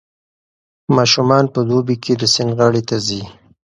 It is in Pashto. ماشومان په دوبي کې د سیند غاړې ته ځي.